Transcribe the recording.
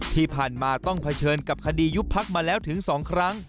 ที่ผ่านมาต้องเผชิญกับคดียุบพักมาแล้วถึง๒ครั้ง